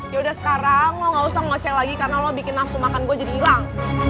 yaudah sekarang lo gak usah ngecek lagi karena lo bikin nafsu makan gue jadi hilang